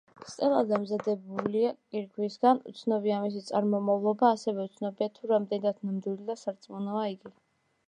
სტელა დამზადებული კირქვისგან, უცნობია მისი წარმომავლობა, ასევე უცნობია თუ რამდენად ნამდვილი და სარწმუნოა იგი.